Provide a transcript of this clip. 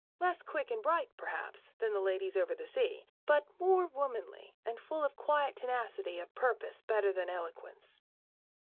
Less quick and bright, perhaps, than the ladies over the sea, but more womanly, and full of a quiet tenacity of purpose better than eloquence.